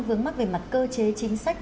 vướng mắt về mặt cơ chế chính sách